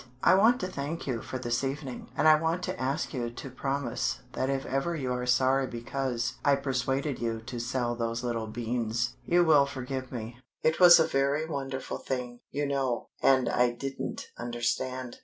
I want to thank you for this evening and I want to ask you to promise that if ever you are sorry because I persuaded you to sell those little beans, you will forgive me. It was a very wonderful thing, you know, and I didn't understand.